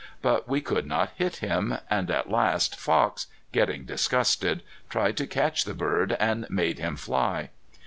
But we could not hit him, and at last Fox, getting disgusted, tried to catch the bird and made him fly.